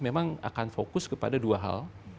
memang akan fokus kepada dua hal